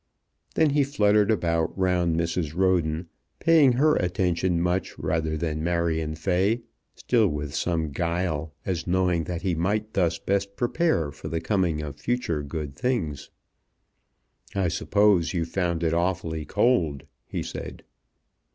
Then he fluttered about round Mrs. Roden, paying her attention much rather than Marion Fay, still with some guile, as knowing that he might thus best prepare for the coming of future good things. "I suppose you found it awfully cold," he said.